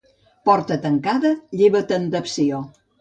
Porta tancada lleva temptació.